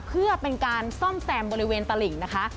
เพื่อเป็นการซ่อมแซมบริเวณตลิ่งนะคะ